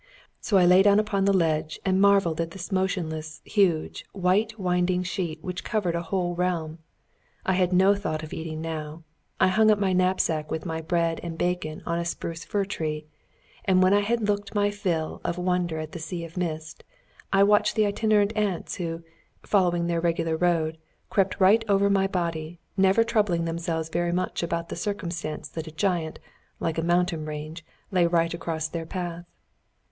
So I lay down upon the rocky ledge, and marvelled at this motionless, huge, white winding sheet which covered a whole realm. I had no thought of eating now. I hung up my knapsack with my bread and bacon on a spruce fir tree, and when I had looked my fill of wonder at the sea of mist, I watched the itinerant ants who, following their regular road, crept right over my body, never troubling themselves very much about the circumstance that a giant, like a mountain range, lay right across their path.